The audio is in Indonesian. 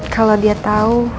kalau dia tau